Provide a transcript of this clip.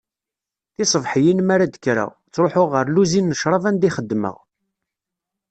Tiṣebḥiyin mi ara d-kkreɣ, ttruḥuɣ ɣer lluzin n ccrab anda i xeddmeɣ.